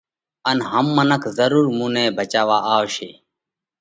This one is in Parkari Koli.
ان هم منک ضرُور مُون نئہ ڀچاوا آوشي۔